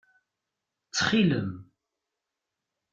Ttxil-m!